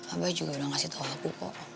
abah juga sudah memberitahu aku